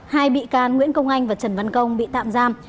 hai bị can nguyễn công anh và trần văn công bị tạm giam